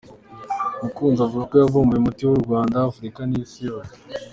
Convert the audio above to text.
Mukunzi uvuga ko yavumbuye umuti w’u Rwanda, Afurika n’Isi yose.